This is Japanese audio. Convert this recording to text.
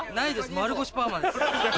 丸腰パーマです。